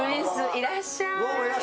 いらっしゃい。